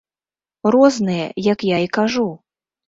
Розныя, як я і кажу.